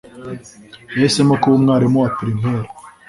Yahisemo kuba umwarimu wa primaire.